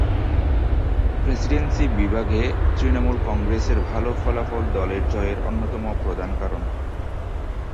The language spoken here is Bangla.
প্রেসিডেন্সি বিভাগে তৃণমূল কংগ্রেসের ভালো ফলাফল দলের জয়ের অন্যতম প্রধান কারণ।